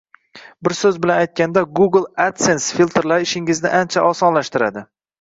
Bir so’z bilan aytganda, Google adsense filtrlari ishingizni ancha osonlashtiradi